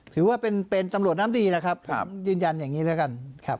ถือว่าเป็นตำรวจน้ำดีนะครับผมยืนยันอย่างนี้แล้วกันครับ